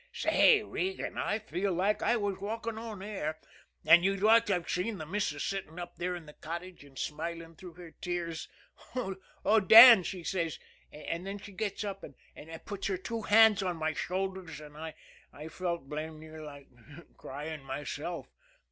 Say, Regan, I feel like I was walking on air, and you'd ought to have seen the missus sitting up there in the cottage and smiling through the tears. 'Oh, Dan!' she says, and then she gets up and puts her two hands on my shoulders, and I felt blamed near like crying myself.